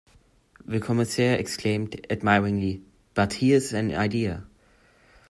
The Commissaire exclaimed, admiringly, "But here is an idea!"